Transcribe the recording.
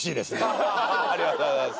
ありがとうございます。